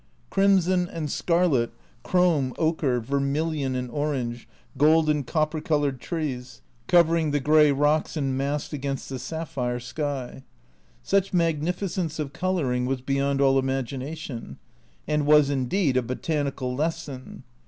Crimson and scarlet, chrome, ochre, vermilion and orange, gold and copper coloured trees, covering the grey rocks and massed against a sapphire sky. Such magnificence of colouring was beyond all imagination and was indeed a "botanical lesson."